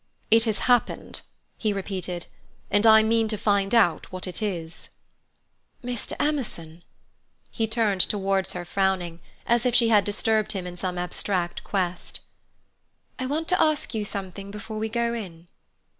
"It has happened," he repeated, "and I mean to find out what it is." "Mr. Emerson—" He turned towards her frowning, as if she had disturbed him in some abstract quest. "I want to ask you something before we go in."